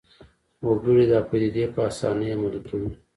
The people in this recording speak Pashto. وګړي دا پدیدې په اسانۍ عملي کوي